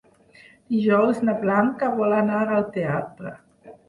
Dijous na Blanca vol anar al teatre.